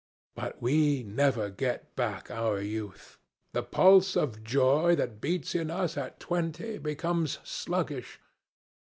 But we never get back our youth. The pulse of joy that beats in us at twenty becomes sluggish.